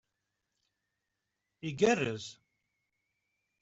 Igarrez!